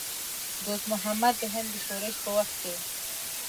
دوست محمد د هند د شورش په وخت کې.